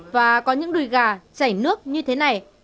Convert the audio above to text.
và có những đùi gà chảy nước như thế này